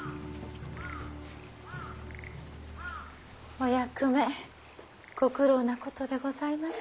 お役目ご苦労なことでございました。